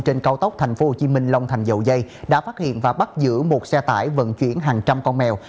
trên cao tốc tp hcm long thành dậu dây đã phát hiện và bắt giữ một xe tải vận chuyển hàng trăm con mèo